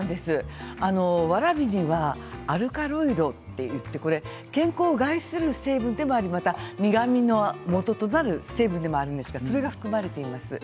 わらびにはアルカロイドという健康を害する成分でもあり苦みのもととなる成分でもあるんですが、それが含まれています。